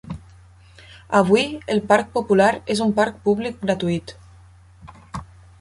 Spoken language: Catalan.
Avui, el Parc Popular és un parc públic gratuït.